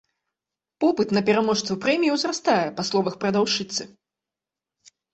Попыт на пераможцаў прэміі ўзрастае, па словах прадаўшчыцы.